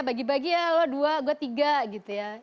bagi bagi ya lo dua gue tiga gitu ya